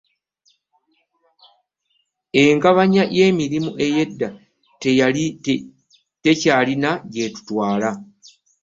Engabanya y'emirimu eyedda tekyalina gyettutwaala.